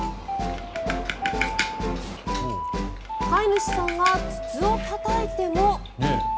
飼い主さんが筒をたたいても。